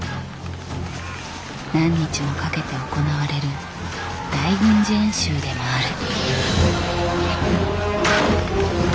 何日もかけて行われる大軍事演習でもある。